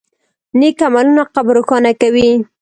نیک عملونه قبر روښانه کوي.